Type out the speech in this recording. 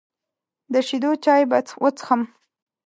د شیدو چای به وڅښم.